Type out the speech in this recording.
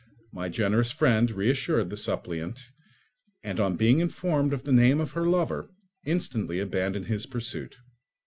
My generous friend reassured the suppliant, and on being informed of the name of her lover, instantly abandoned his pursuit.